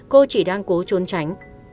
cô chỉ đang cố trốn tránh